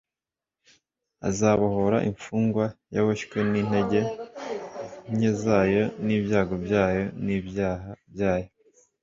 Azabohora imfungwa yaboshywe n'intege nke zayo n'ibyago byayo n'ibyaha byayo.